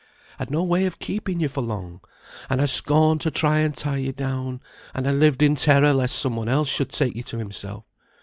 I'd no way of keeping you for long, and I scorned to try and tie you down; and I lived in terror lest some one else should take you to himself.